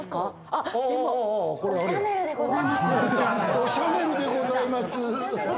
あっでも、おシャネルでございます。